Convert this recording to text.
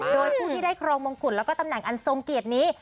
โดยผู้ที่ได้ครองมงกุฎแล้วก็ตำแหน่งอันทรงเกียรตินี้